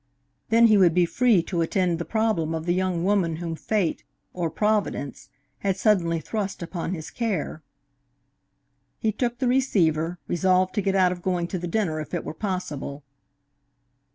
Then he would be free to attend the problem of the young woman whom fate, or Providence, had suddenly thrust upon his care. He took the receiver, resolved to get out of going to the dinner if it were possible.